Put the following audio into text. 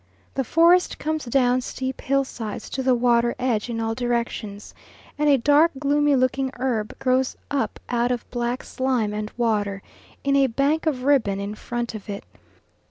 The forest comes down steep hill sides to the water edge in all directions; and a dark gloomy looking herb grows up out of black slime and water, in a bank or ribbon in front of it.